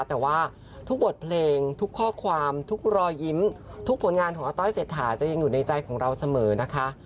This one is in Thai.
แต่ว่าทุกบทเพลงทุกข้อความทุกรอยยิ้มทุกผลงานของอาต้อยเศรษฐาจะยังอยู่ในใจของเราเสมอนะคะ